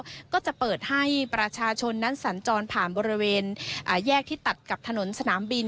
แล้วก็จะเปิดให้ประชาชนนั้นสัญจรผ่านบริเวณแยกที่ตัดกับถนนสนามบิน